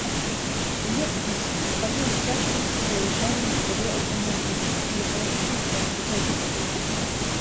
У непагадзь па ёй з цяжкасцю праязджае легкавы аўтамабіль, не кажучы пра грузавік.